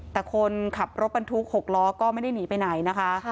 แต่คนขับรถบรรทุก๖ล้อก็ไม่ได้หนีไปไหนนะคะ